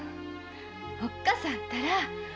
おっ母さんたら。